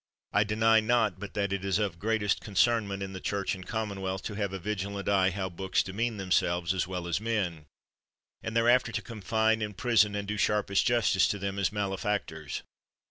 I deny not, but that it is of greatest concern ment in the Church and Commonwealth, to have a vigilant eye how books demean themselves as well as men ; and thereafter to confine, imprison and do sharpest justice on them as malefactors.